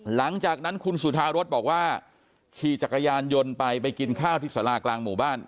หลังจากนั้นคุณสุธารสบอกว่าขี่จักรยานยนต์ไปไปกินข้าวที่สารากลางหมู่บ้าน